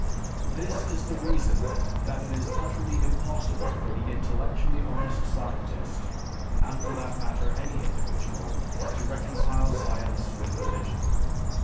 This is the reason that it is utterly impossible for the intellectually honest scientist, and for that matter any individual, to reconcile science with religion.